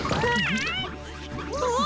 うわ！